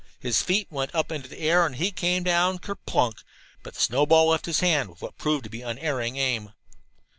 His feet went up into the air and he came down ker plunk! but the snowball left his hand with what proved to be unerring aim.